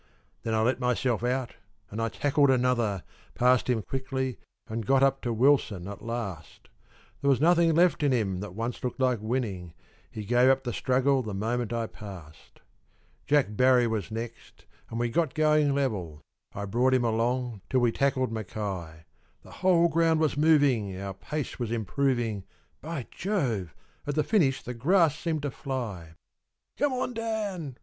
Then I let myself out and I tackled another, Passed him quickly and got up to Wilson at last; There was nothing left in him that once looked like winning; He gave up the struggle the moment I passed. Jack Barry was next, and we got going level, I brought him along till we tackled Mackay; The whole ground was moving, our pace was improving, By Jove! at the finish the grass seemed to fly. "Come on, Dan!